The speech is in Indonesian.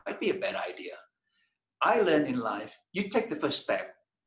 saya belajar dalam hidup anda mengambil langkah pertama